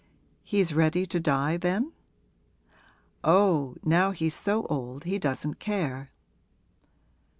'He's ready to die then?' 'Oh, now he's so old he doesn't care.'